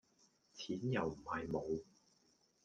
錢又唔係無